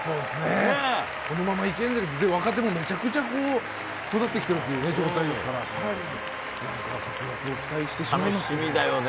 このままいけるんじゃないかと、若手もめちゃくちゃ育ってきている状態ですから、さらに活躍を期待してしまいますよね。